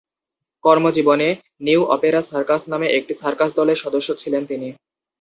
কর্মজীবনে "New Opera Circus" নামে একটি সার্কাস দলের সদস্য ছিলেন তিনি।